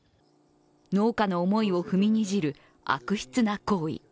農家の思いを踏みにじる悪質な行為。